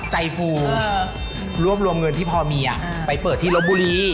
ฟูรวบรวมเงินที่พอมีไปเปิดที่ลบบุรี